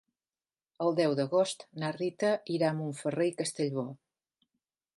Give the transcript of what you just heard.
El deu d'agost na Rita irà a Montferrer i Castellbò.